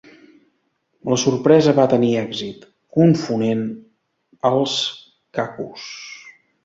La sorpresa va tenir èxit, confonent als Cacos.